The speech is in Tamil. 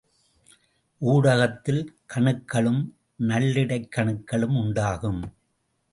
ஊடகத்தில் கணுக்களும் நள்ளிடைக் கணுக்களும் உண்டாகும்.